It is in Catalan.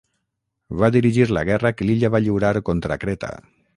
Va dirigir la guerra que l'illa va lliurar contra Creta.